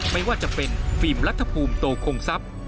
ไม่ว่าจะเป็นฟิล์มรัฐภูมิโตคงทรัพย์